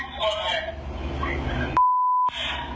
พี่เจ้าฮิบถูก